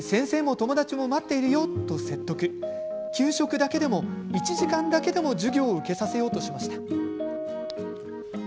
給食だけでも、１時間だけでも授業を受けさせようとしました。